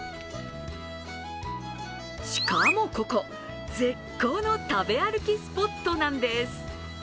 しかもここ、絶好の食べ歩きスポットなんです。